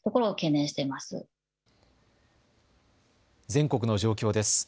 全国の状況です。